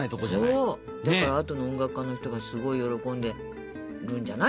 だからあとの音楽家の人がすごい喜んでるんじゃない？